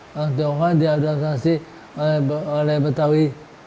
orang tionghoa diadaptasi oleh betawi